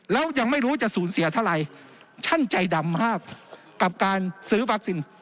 แล้วยังไม่รู้จะสูญเสียเท่าไรท่านใจดำมากกับการซื้อวัคซีน